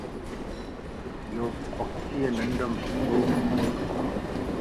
يوپڪي ننڍم ستووَ